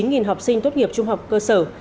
hơn hai mươi chín học sinh tốt nghiệp trung học cơ sở